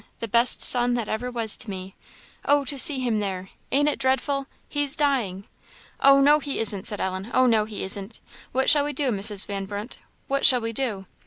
the best son that ever was to me oh, to see him there; ain't it dreadful? he's dying!" "Oh, no, he isn't," said Ellen "oh, no, he isn't! what shall we do, Mrs. Van Brunt? what shall we do?"